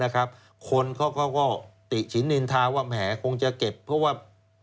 คนเขาก็ติฉินนินทาว่าแหมคงจะเก็บเพราะว่า